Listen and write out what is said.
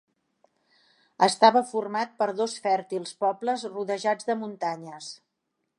Estava format per dos fèrtils pobles rodejats de muntanyes.